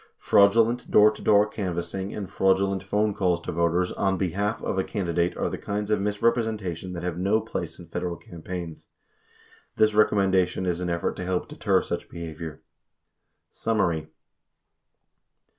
Fraudulent, door to door canvassing and fraudulent phone calls to voters "on behalf" of a candidate are the kinds of misrepresentation that have no place in Federal cam paigns. This recommendation is an effort to help deter such behavior. Summary.